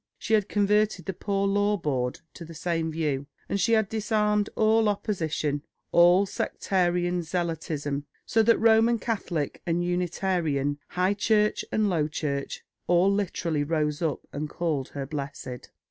She had converted the Poor Law Board to the same view, and she had disarmed all opposition, all sectarian zealotism; so that Roman Catholic and Unitarian, High Church and Low Church, all literally rose up and called her blessed."